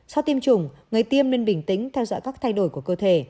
sau tiêm chủng người tiêm nên bình tĩnh theo dõi các thay đổi của cơ thể